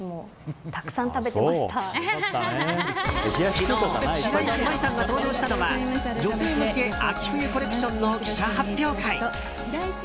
昨日白石麻衣さんが登場したのは女性向け秋冬コレクションの記者発表会。